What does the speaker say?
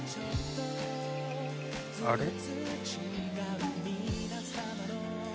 あれ？